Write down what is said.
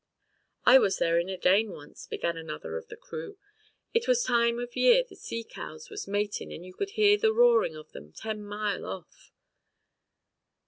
"I was there in a Dane once," began another of the crew. "It was time of year the sea cows was matin' and you could hear the roarin' of them ten mile off."